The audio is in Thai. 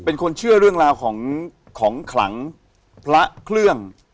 เป็นคนเชื่อเรื่องราวของของขลังพระเครื่อง